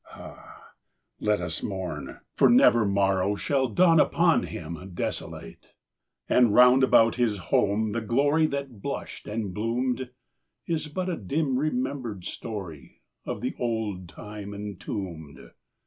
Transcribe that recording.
(Ah, let us mourn! for never morrow Shall dawn upon him desolate !) And round about his home the glory That blushed and bloomed, Is but a dim remembered story Of the old time entombed.